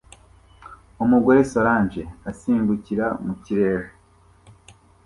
Umugore solange asimbukira mu kirere